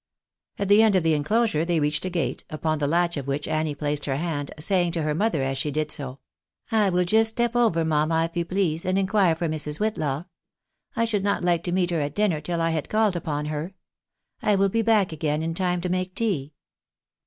At the end of the inclosure they reached a gate, upon the latch of which Annie placed her hand, saying to her mother as she did so —" I will just step over, mamma, if you please, and inquire for Mrs. Whitlaw. I should not like to meet her at dinner till I had called upon her. I will be back again in time to make tea."